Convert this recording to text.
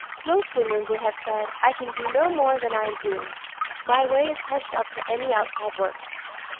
Most women would have said, "I can do no more than I am doing. My way is hedged up to any outside work."